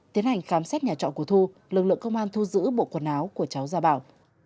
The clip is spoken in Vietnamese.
tiến hành khám xét nhà trọ của thu lực lượng công an thu giữ bộ quần áo của cháu gia bảo